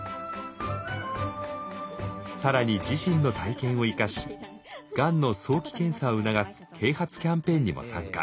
更に自身の体験を生かしがんの早期検査を促す啓発キャンペーンにも参加。